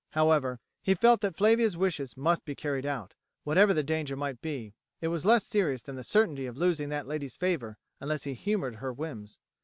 However, he felt that Flavia's wishes must be carried out; whatever the danger might be, it was less serious than the certainty of losing that lady's favour unless he humoured her whims.